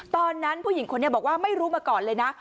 ตอนนั้นผู้หญิงคนนี้บอกว่าไม่รู้มาก่อนเลยนะ